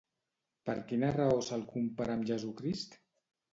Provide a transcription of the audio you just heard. Per quina raó se'l compara amb Jesucrist?